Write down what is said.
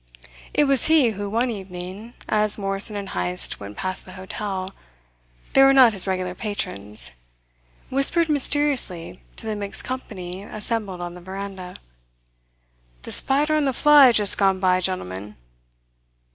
It was he who, one evening, as Morrison and Heyst went past the hotel they were not his regular patrons whispered mysteriously to the mixed company assembled on the veranda: "The spider and the fly just gone by, gentlemen."